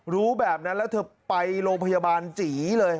รู้แบบนั้นแล้วเธอไปโรงพยาบาลจีเลย